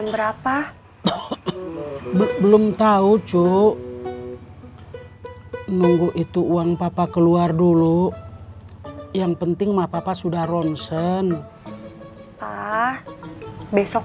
berapa belum tahu cuk nunggu itu uang papa keluar dulu yang penting mah papa sudah ronsen besok